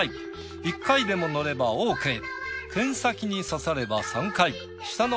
１回でも乗ればオーケー。